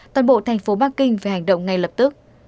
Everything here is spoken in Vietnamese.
toàn bộ thành phố bắc kinh phải hành động ngay lập tức